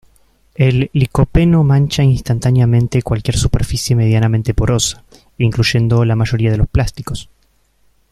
El licopeno mancha instantáneamente cualquier superficie medianamente porosa, incluyendo la mayoría de los plásticos.